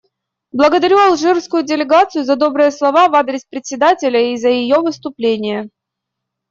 Благодарю алжирскую делегацию за добрые слова в адрес Председателя и за ее выступление.